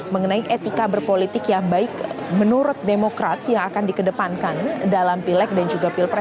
mengenai etika berpolitik yang baik menurut demokrat yang akan dikedepankan dalam pilek dan juga pilpres dua ribu sembilan belas